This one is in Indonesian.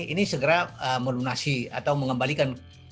ini segera melunasi atau mengembalikan